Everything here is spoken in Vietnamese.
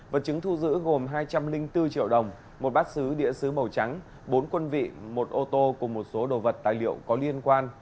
vật chứng thu giữ gồm hai trăm linh bốn triệu đồng một bát xứ địa xứ màu trắng bốn quân vị một ô tô cùng một số đồ vật tài liệu có liên quan